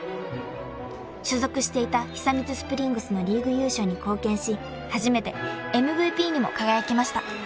［所属していた久光スプリングスのリーグ優勝に貢献し初めてＭＶＰにも輝きました］